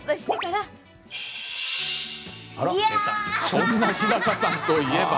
そんな日高さんといえば。